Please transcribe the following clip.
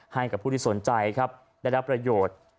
ให้กับผู้ที่สนใจครับได้รับประโยชน์